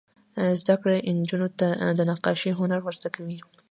زده کړه نجونو ته د نقاشۍ هنر ور زده کوي.